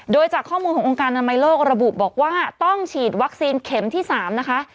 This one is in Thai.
โดยจากข้อมูลขององค์การอนามัยโลกระบุบอกว่าต้องฉีดวัคซีนเข็มที่๓นะคะ